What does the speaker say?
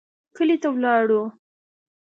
کلي ته ولاړو.